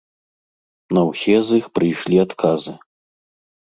На ўсе з іх прыйшлі адказы.